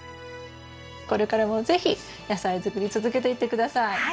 これからも是非野菜作り続けていって下さい。